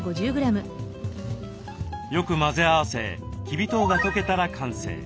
よく混ぜ合わせきび糖が溶けたら完成。